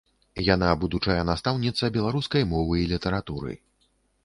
Яна будучая настаўніца беларускай мовы і літаратуры.